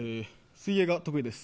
水泳が得意です。